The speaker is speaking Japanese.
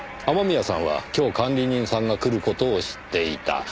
雨宮さんは今日管理人さんが来る事を知っていた。